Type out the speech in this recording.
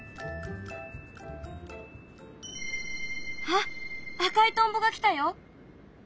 あっ赤いトンボが来たよ。